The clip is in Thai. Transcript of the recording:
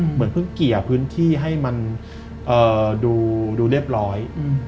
เหมือนเพิ่งเกลี่ยพื้นที่ให้มันดูเรียบร้อย